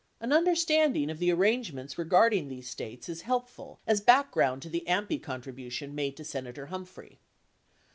An understanding of the arrangements regarding these States is helpful as background to the AMPI contribution made to Senator Humphrey.